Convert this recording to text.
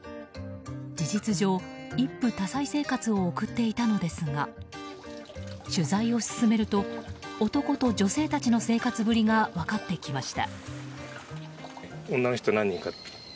事実上、一夫多妻生活を送っていたのですが取材を進めると男と女性たちの生活ぶりが分かってきました。